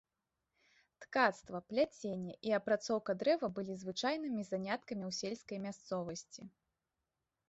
Ткацтва, пляценне і апрацоўка дрэва былі звычайнымі заняткамі ў сельскай мясцовасці.